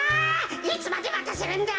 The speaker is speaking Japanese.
いつまでまたせるんだ！